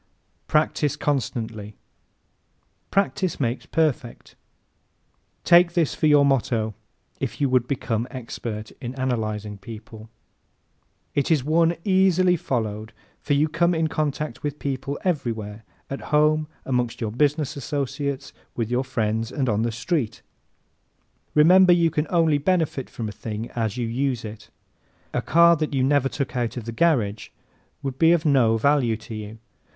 Practise CONSTANTLY ¶ "Practice makes perfect." Take this for your motto if you would become expert in analyzing people. It is one easily followed for you come in contact with people everywhere at home, amongst your business associates, with your friends and on the street. Remember you can only benefit from a thing as you use it. A car that you never took out of the garage would be of no value to you.